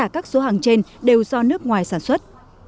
các số hàng trên đều do nước ngoài sản xuất